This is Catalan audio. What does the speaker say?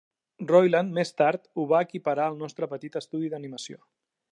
Roiland més tard ho va equiparar al nostre petit estudi d'animació.